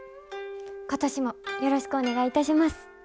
今年もよろしくお願いいたします。